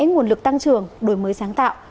nguồn lực tăng trưởng đổi mới sáng tạo